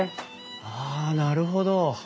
ああなるほど。